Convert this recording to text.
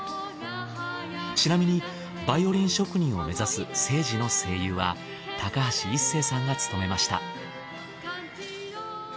ちなみにバイオリン職人を目指す聖司の声優は高橋一生さんが務めました。